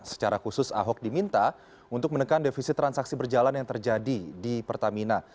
secara khusus ahok diminta untuk menekan defisit transaksi berjalan yang terjadi di pertamina